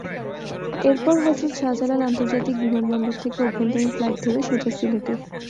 এরপর হজরত শাহজালাল আন্তর্জাতিক বিমানবন্দর থেকে অভ্যন্তরীণ ফ্লাইট ধরে সোজা সিলেটে।